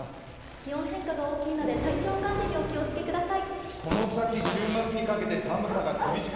気温変化が大きいので体調管理にお気を付けください。